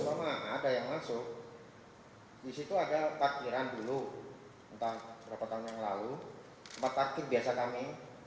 kalau enggak ada yang masuk di situ ada parkiran dulu entah berapa tahun yang lalu tempat parkir biasa kami